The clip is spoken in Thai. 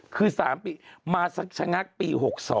คือ๓ปีมาสักชะงักปี๖๒